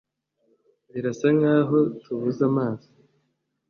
Birasa nkaho tubuze amazi.